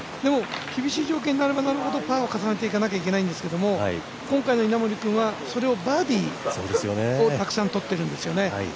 厳しい条件になればなるほど、パーを重ねていかなければいけないんですけど今回の稲森君はそれをバーディーをたくさん取ってるんですよね。